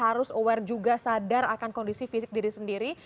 harus aware juga sadar akan kondisi fisik diri sendiri